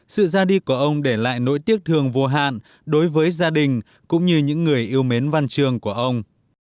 sự ra đi của ông để lại nỗi tiếc thương vô hạn đối với gia đình cũng như những người yêu mến văn trường của ông